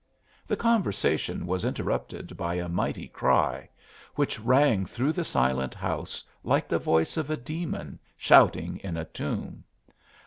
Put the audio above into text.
The conversation was interrupted by a mighty cry, which rang through the silent house like the voice of a demon shouting in a tomb!